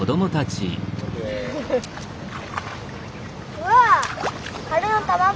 うわ！